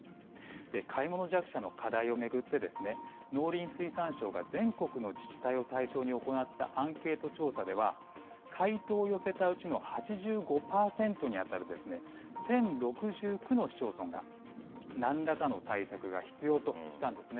買い物弱者の課題を巡って、農林水産省が全国の自治体を対象に行ったアンケート調査では、回答を寄せたうちの８５％に当たる１０６９の市町村が、なんらかの対策が必要としたんですね。